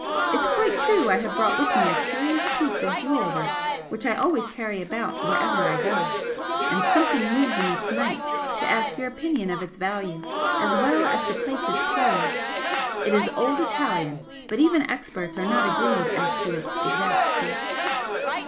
It's quite true I have brought with me a curious piece of jewel work which I always carry about wherever I go and something moved me to night to ask your opinion of its value, as well as to place its period. It is old Italian; but even experts are not agreed as to its exact date."